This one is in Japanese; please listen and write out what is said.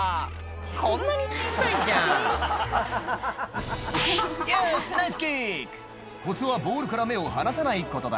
こんなに小さいじゃん「よしナイスキック」「コツはボールから目を離さないことだ」